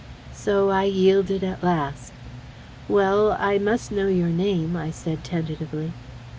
So I yielded at last. "Well, I must know your name," I said tentatively.